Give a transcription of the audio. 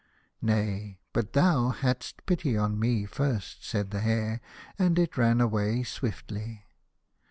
"Nay, but thou hadst pity on me first," said the Hare, and it ran away swiftly.